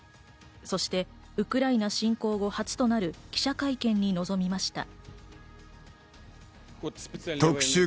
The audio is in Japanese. そしてウクライナ侵攻後、初となる記者会見に臨みました。